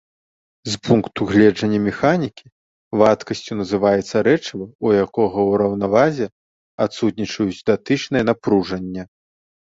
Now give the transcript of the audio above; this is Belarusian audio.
З пункту гледжання механікі, вадкасцю называецца рэчыва, у якога ў раўнавазе адсутнічаюць датычныя напружання.